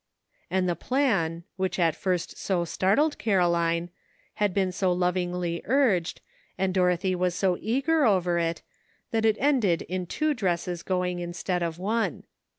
And the plan, which at first so startled Caro line, had been so lovingly urged, and Dorothy was so eager over it, that it ended in two dresses going instead of one.